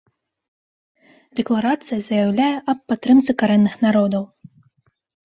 Дэкларацыя заяўляе аб падтрымцы карэнных народаў.